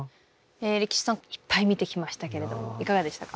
レキシさんいっぱい見てきましたけれどもいかがでしたか？